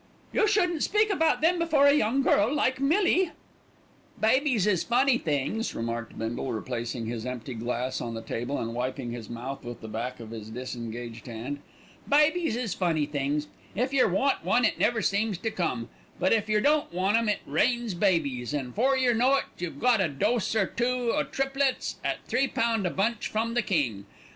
"You shouldn't speak about them before a young girl like Millie." "Babies is funny things," remarked Bindle, replacing his empty glass on the table, and wiping his mouth with the back of his disengaged hand. "Babies is funny things. If yer want one it never seems to come; but if yer don't want 'em it rains babies, an' 'fore yer know it you've got a dose or two o' triplets at three pound a bunch from the King.